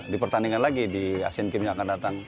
di pertandingan lagi di ac games yang akan datang